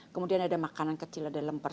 kemudian ada makanan kecil ada lempar